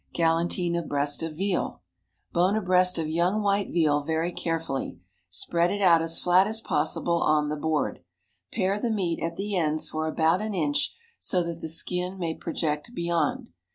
Galantine of Breast of Veal. Bone a breast of young white veal very carefully, spread it out as flat as possible on the board, pare the meat at the ends for about an inch so that the skin may project beyond.